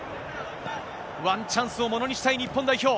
ワンチャンスをものにしたい日本代表。